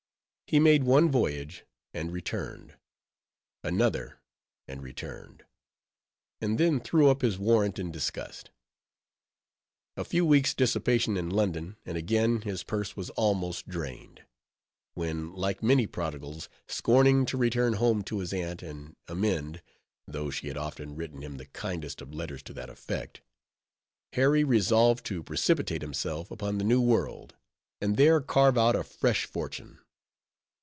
He made one voyage, and returned; another, and returned; and then threw up his warrant in disgust. A few weeks' dissipation in London, and again his purse was almost drained; when, like many prodigals, scorning to return home to his aunt, and amend—though she had often written him the kindest of letters to that effect—Harry resolved to precipitate himself upon the New World, and there carve out a fresh fortune.